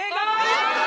やった！